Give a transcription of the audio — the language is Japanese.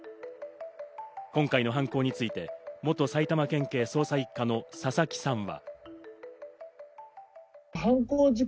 今回の犯行について元埼玉県警捜査一課の佐々木さんは。